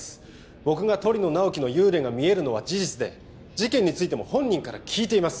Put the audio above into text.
僕が鳥野直木の幽霊が見えるのは事実で事件についても本人から聞いています